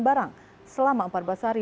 barang selama empat belas hari